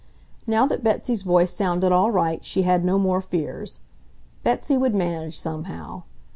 Now that Betsy's voice sounded all right she had no more fears. Betsy would manage somehow.